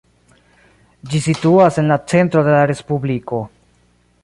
Ĝi situas en la centro de la respubliko.